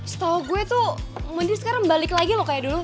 setau gua tuh mondi sekarang balik lagi loh kayak dulu